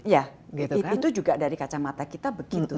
ya itu juga dari kacamata kita begitu